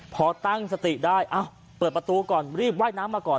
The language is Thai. พอตั้งสติได้เปิดประตูก่อนรีบว่ายน้ำมาก่อน